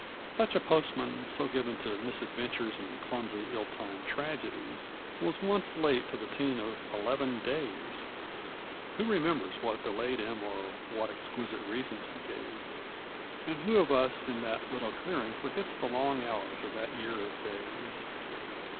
Such a postman, so given to misadventures and clumsy ill timed tragedies, was once late to the tune of eleven days. Who remembers what delayed him or what exquisite reasons he gave? And who of us in that little clearing forgets the long hours of that year of days?